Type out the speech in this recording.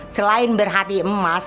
selain berhati emas